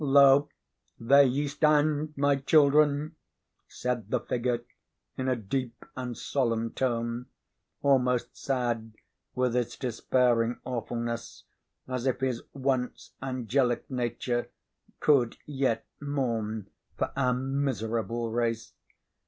"Lo, there ye stand, my children," said the figure, in a deep and solemn tone, almost sad with its despairing awfulness, as if his once angelic nature could yet mourn for our miserable race.